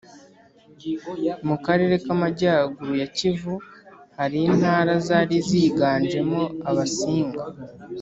mu karere k'amajyaruguru ya kivu, hari intara zari ziganjemo abasinga